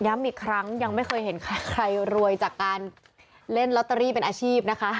อีกครั้งยังไม่เคยเห็นใครรวยจากการเล่นลอตเตอรี่เป็นอาชีพนะคะ